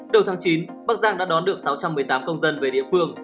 đầu tháng chín bắc giang đã đón được sáu trăm một mươi tám công dân về địa phương